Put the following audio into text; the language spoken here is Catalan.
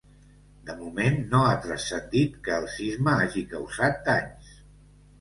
De moment no ha transcendit que el sisme hagi causat danys.